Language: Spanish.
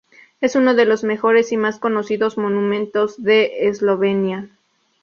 Es uno de los mejores y más conocidos monumentos de Eslovenia.